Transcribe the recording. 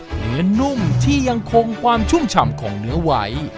เนื้อนุ่มที่ยังคงความชุ่มฉ่ำของเนื้อไว้